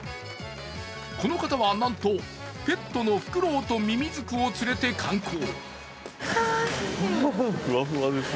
この方は、なんとペットのフクロウとミミズクを連れて観光。